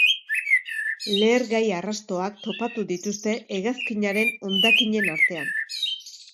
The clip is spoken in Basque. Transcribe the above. Lehergai arrastoak topatu dituzte hegazkinaren hondakinen artean.